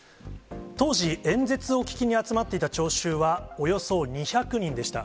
当時、演説を聞きに集まっていた聴衆は、およそ２００人でした。